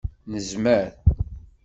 Nezmer!